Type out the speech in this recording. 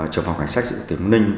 trưởng phòng hành sách dự tính ninh